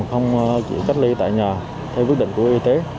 không chỉ cách ly tại nhà theo quyết định của y tế